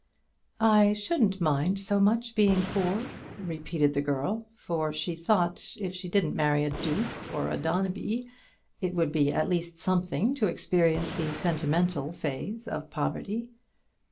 "I shouldn't mind so much being poor," repeated the girl; for she thought, if she didn't marry a duke or a Dombey, it would be at least something to experience the sentimental phase of poverty.